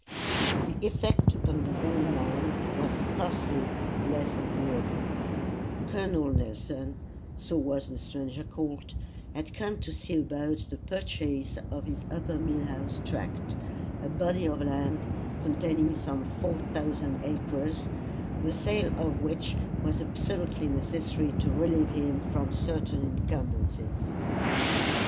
The effect upon the old man was scarcely less agreeable. Col. Nelson, so was the stranger called had come to see about the purchase of his upper mill house tract a body of land containing some four thousand acres, the sale of which was absolutely necessary to relieve him from certain incumbrances.